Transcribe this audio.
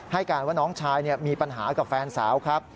ให้การว่าน้องชายมีปัญหากับแฟนสาวครับ